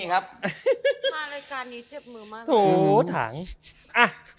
มารายการนี้เจ็บมือมาก